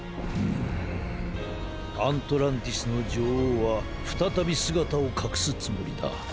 アントランティスのじょおうはふたたびすがたをかくすつもりだ。